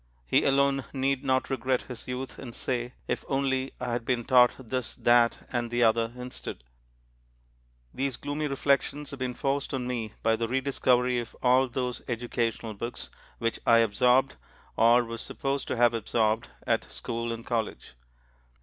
He alone need not regret his youth and say, "If only I had been taught this, that, and the other instead!" These gloomy reflections have been forced on me by the re discovery of all those educational books which I absorbed, or was supposed to have absorbed, at school and college.